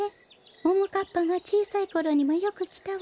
ももかっぱがちいさいころにもよくきたわ。